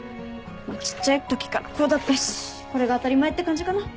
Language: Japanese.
ちっちゃいときからこうだったしこれが当たり前って感じかな。